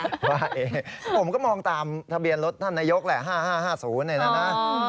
ว่าผมก็มองตามทะเบียนรถท่านนายกแหละ๕๕๕๐เนี่ยนะ